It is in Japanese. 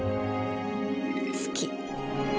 好き。